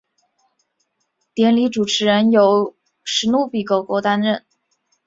典礼主持人由史奴比狗狗担任。